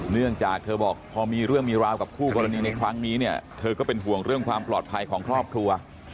เนื่องจากเธอบอกพอมีเรื่องมีราวกับคู่กรณีในครั้งนี้เนี่ยเธอก็เป็นห่วงเรื่องความปลอดภัยของครอบครัว